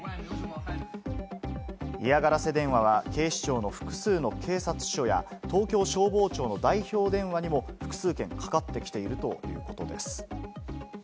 嫌がらせ電話は警視庁の複数の警察署や東京消防庁の代表電話にも複数件かかってきているということです。